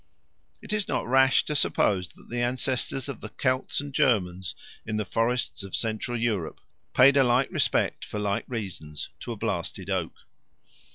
It is not rash to suppose that the ancestors of the Celts and Germans in the forests of Central Europe paid a like respect for like reasons to a blasted oak.